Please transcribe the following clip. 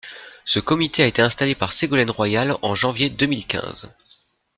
Ce comité a été installé par Ségolène Royal en janvier deux mille quinze.